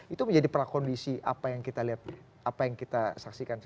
itu menjadi prakondisi apa yang kita lihat apa yang kita saksikan